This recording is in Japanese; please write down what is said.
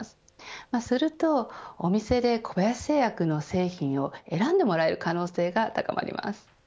そうすると、お店で小林製薬の製品を選んでもらえる可能性が高まります。